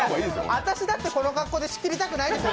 私だってこの格好で仕切りたくないですよ。